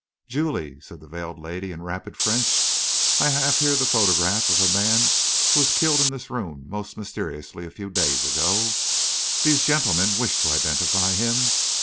"Julie," said the veiled lady, in rapid French, "I have here the photograph of a man who was killed in this room most mysteriously a few days ago. These gentlemen wish to identify him.